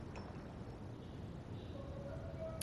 图巴朗是巴西圣卡塔琳娜州的一个市镇。